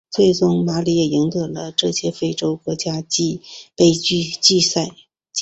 最终马里也赢得了这届非洲国家杯季军。